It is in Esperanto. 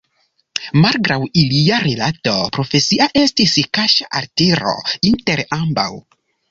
Malgraŭ ilia rilato profesia estis kaŝa altiro inter ambaŭ.